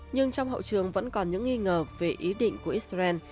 nhưng trong hậu trường vẫn còn những nghi ngờ về ý định của israel